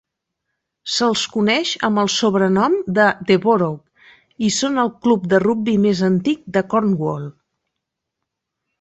Se'ls coneix amb el sobrenom de "The Borough" i són el club de rugbi més antic de Corwnall.